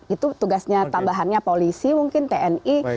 itu tugasnya tambahannya polisi mungkin tni